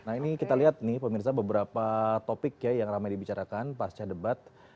nah ini kita lihat nih pemirsa beberapa topik ya yang ramai dibicarakan pasca debat